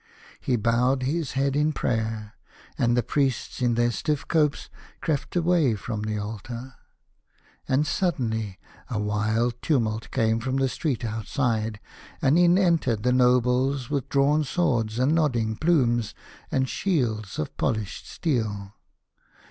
He bowed his head in prayer, and the priests in their stiff copes crept away from the altar. And suddenly a wild tumult came from the street outside, and in entered the nobles with drawn swords and nodding plumes, and shields of polished steel.